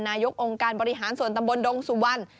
นายกองค์การบริหารส่วนตำบลดงสุวรรณ